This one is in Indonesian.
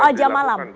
soal jam malam